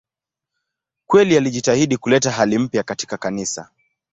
Kweli alijitahidi kuleta hali mpya katika Kanisa.